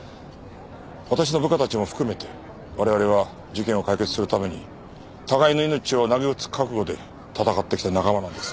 私の部下たちも含めて我々は事件を解決するために互いの命をなげうつ覚悟で戦ってきた仲間なんです。